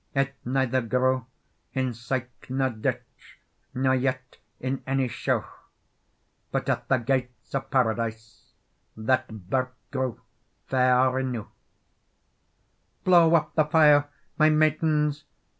It neither grew in syke nor ditch, Nor yet in ony sheugh; But at the gates o Paradise That birk grew fair eneugh. "Blow up the fire, my maidens!